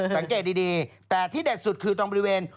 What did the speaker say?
สังเกตดีแต่ที่เด็ดสุดคือตรงบริเวณ